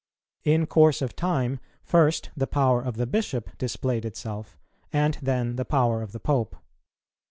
In course of time, first the power of the Bishop displayed itself, and then the power of the Pope.